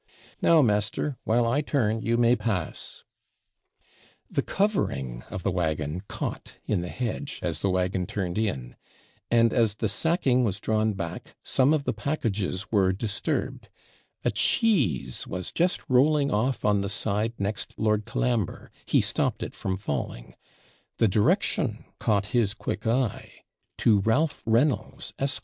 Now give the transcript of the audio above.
'Now, master! while I turn, you may pass.' The covering of the waggon caught in the hedge as the waggon turned in; and as the sacking was drawn back, some of the packages were disturbed a cheese was just rolling off on the side next Lord Colambre; he stopped it from falling; the direction caught his quick eye 'To Ralph Reynolds, Esq.'